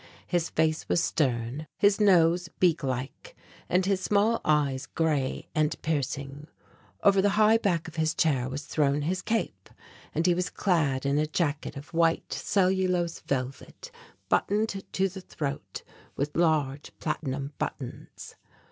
His face was stern, his nose beak like, and his small eyes grey and piercing. Over the high back of his chair was thrown his cape, and he was clad in a jacket of white cellulose velvet buttoned to the throat with large platinum buttons.